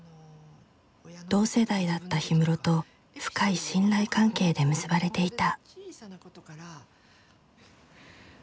同世代だった氷室と深い信頼関係で結ばれていた。